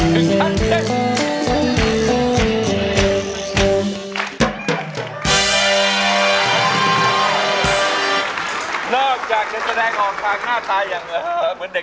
ถึงขั้นเต้น